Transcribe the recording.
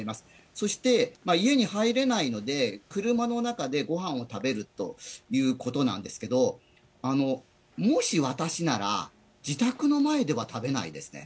そして、家に入れないので、車の中でごはんを食べるということなんですけど、もし私なら、自宅の前では食べないですね。